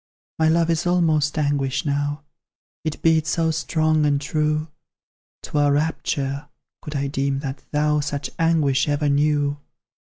My love is almost anguish now, It beats so strong and true; 'Twere rapture, could I deem that thou Such anguish ever knew.